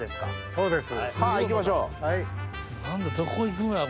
そうです。